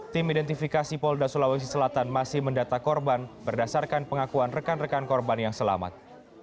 tim identifikasi polda sulawesi selatan masih mendata korban berdasarkan pengakuan rekan rekan korban yang selamat